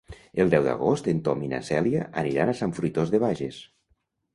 El deu d'agost en Tom i na Cèlia aniran a Sant Fruitós de Bages.